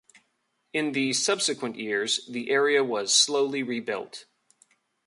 In the subsequent years, the area was slowly rebuilt.